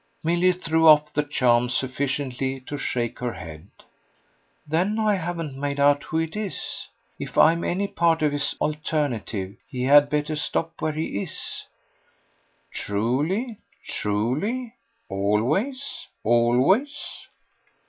Milly threw off the charm sufficiently to shake her head. "Then I haven't made out who it is. If I'm any part of his alternative he had better stop where he is." "Truly, truly? always, always?"